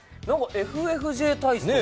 ＦＦＪ体操。